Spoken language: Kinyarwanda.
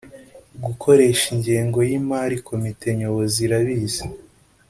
gukoresha ingengo y imali komite nyobozi irabizi